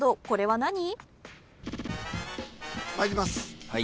これは何？